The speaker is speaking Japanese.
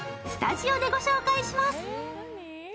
スタジオでご紹介します。